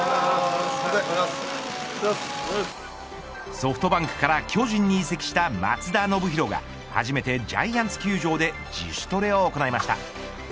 ソフトバンクから巨人に移籍した松田宣浩が初めてジャイアンツ球場で自主トレを行いました。